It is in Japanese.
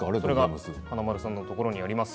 華丸さんのところにあります。